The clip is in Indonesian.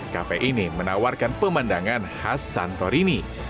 kafe ini menawarkan pemandangan khas santorini